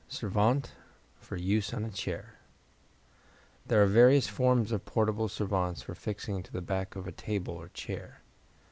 Servante for Use on a Chair There are various forms of portable servantes for fixing to the back of a table or chair.